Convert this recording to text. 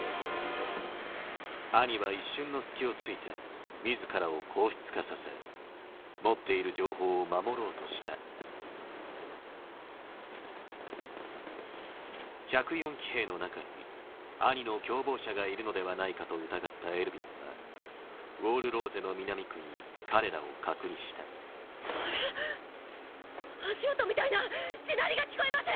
アニは一瞬の隙をついて自らを硬質化させ持っている情報を守ろうとした１０４期兵の中にアニの共謀者がいるのではないかと疑ったエルヴィンはウォール・ローゼの南区に彼らを隔離したあれ⁉足音みたいな地鳴りが聞こえます！！